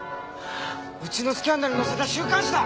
うちのスキャンダル載せた週刊誌だ！